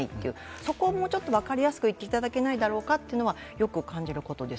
そこをもうちょっと分かりやすく言っていただけないだろうかというのはよく感じるところです。